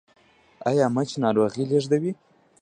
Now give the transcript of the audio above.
ایا مچ ناروغي لیږدوي؟